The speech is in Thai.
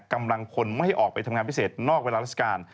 กำลังพลไม่ให้ออกไปทำงานพิเศษนอกเวลาราชการ